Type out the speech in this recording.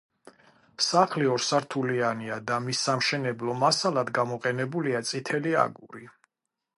სახლი ორსართულიანია და მის სამშენებლო მასალად გამოყენებულია წითელი აგური.